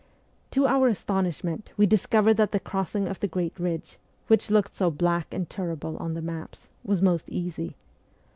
To our astonishment we discovered that the crossing of the great ridge, which looked so black and terrible on the maps, was most easy.